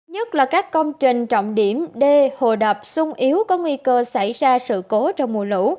nhất là các công trình trọng điểm đê hồ đập sung yếu có nguy cơ xảy ra sự cố trong mùa lũ